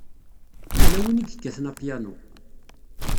Yella win i yekkaten apyanu.